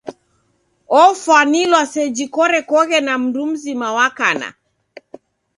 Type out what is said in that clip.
Ofwanilwa seji korekoghe na mndu mzima wa kana.